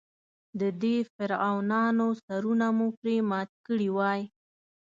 د دې فرعونانو سرونه مو پرې مات کړي وای.